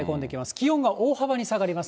気温が大幅に下がります。